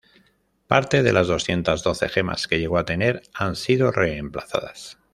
Parte de las doscientas doce gemas que llegó a tener han sido reemplazadas.